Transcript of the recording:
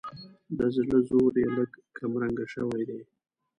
د زړه زور یې لږ کمرنګه شوی دی.